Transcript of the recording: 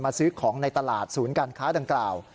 ซื้อของในตลาดศูนย์การค้าดังกล่าว